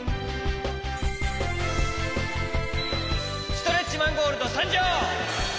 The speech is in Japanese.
ストレッチマン・ゴールドさんじょう！